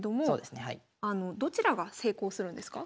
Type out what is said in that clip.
どちらが成功するんですか？